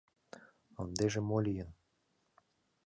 Ындыжым мо лийын?